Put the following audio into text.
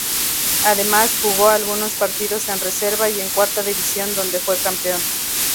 Además, jugó algunos partidos en reserva y en cuarta división donde fue campeón.